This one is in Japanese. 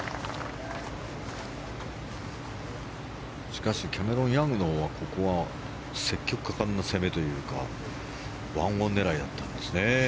しかしキャメロン・ヤングはここは積極果敢な攻めというか１オン狙いだったんですね。